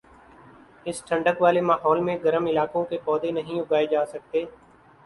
اس ٹھنڈک والے ماحول میں گرم علاقوں کے پودے نہیں اگائے جاسکتے